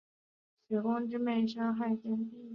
史恭之妹生汉宣帝。